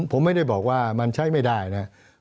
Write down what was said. ผมไม่ได้บอกว่ามันใช้ไม่ได้นะครับ